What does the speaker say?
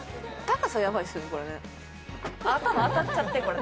頭当たっちゃって。